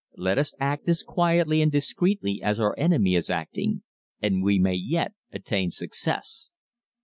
"Let us act as quietly and discreetly as our enemy is acting, and we may yet attain success!"